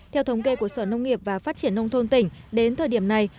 theo thống kê của sở nông nghiệp và phát triển nông thôn tỉnh đến thời điểm này